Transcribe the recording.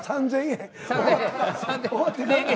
３，０００円。